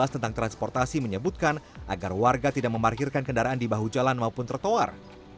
tentang transportasi menyebutkan agar warga tidak memarkirkan kendaraan di bahu jalan maupun trotoar